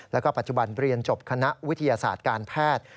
แล้วก็ปัจจุบันเรียนจบคณะวิทยาศาสตร์การแพทย์